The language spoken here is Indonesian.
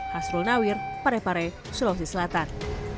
hasrul nawir parepare sulawesi selatan